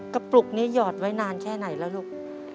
ปลุกนี้หยอดไว้นานแค่ไหนแล้วลูก